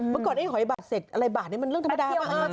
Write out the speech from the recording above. เมื่อก่อนหอยบาดเซ็กอะไรบาดนี้มันเรื่องธรรมดา